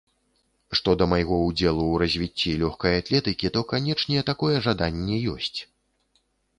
Што да майго ўдзелу ў развіцці лёгкай атлетыкі, то, канечне, такое жаданне ёсць.